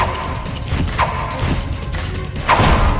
เฮ้ยเฮ้ยกลับมาได้แล้วผม